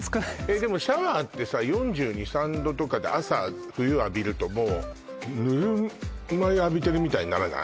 でもシャワーってさ４２４３℃とかで朝冬浴びるともうぬるま湯浴びてるみたいにならない？